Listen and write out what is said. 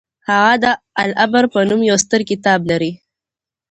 هغه د العبر په نوم يو ستر کتاب لري.